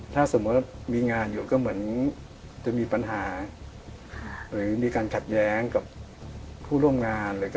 ถ้าสมมุติว่ามีงานอยู่ก็เหมือนจะมีปัญหาหรือมีการขัดแย้งกับผู้ร่วมงาน